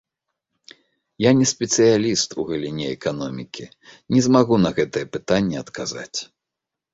Я не спецыяліст у галіне эканомікі, не змагу на гэтае пытанне адказаць.